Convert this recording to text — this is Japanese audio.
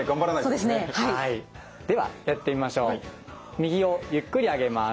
右をゆっくり上げます。